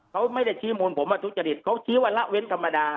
เขาไม่ได้ชี้มูลผมว่าทุจริตเขาชี้ว่าละเว้นธรรมดา